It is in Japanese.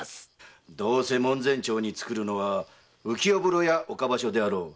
どうせ門前町に作るのは浮世風呂や岡場所であろう。